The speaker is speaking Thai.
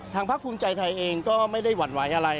ภาคภูมิใจไทยเองก็ไม่ได้หวั่นไหวอะไร